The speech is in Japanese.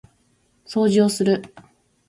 掃除をする